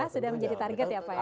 sudah menjadi target ya pak ya